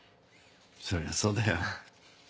そりゃそうだよ。